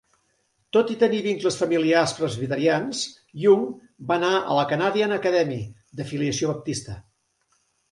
Tot i tenir vincles familiars presbiterians, Young va anar a la Canadian Academy, d'afiliació baptista.